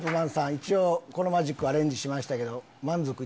一応このマジックアレンジしました。